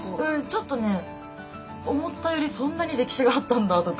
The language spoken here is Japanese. ちょっとね思ったよりそんなに歴史があったんだとか。